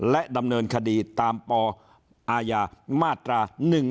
และดำเนินคดีตามปอาญามาตรา๑๑๒